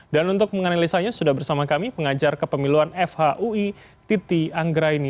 dan untuk menganalisanya sudah bersama kami pengajar kepemiluan fhui titi anggraini